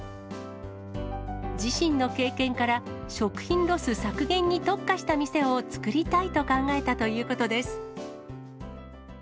自身の経験から、食品ロス削減に特化した店を作りたいと考えたということです。